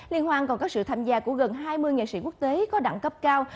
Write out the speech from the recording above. liên hoan còn có sự tham gia của gần hai mươi nghệ sĩ quốc tế có đẳng cấp cao